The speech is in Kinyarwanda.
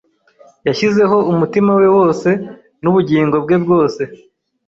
Yashyizemo umutima we wose n'ubugingo bwe bwose.